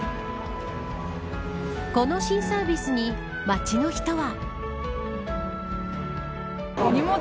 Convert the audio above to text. この新サービスに街の人は。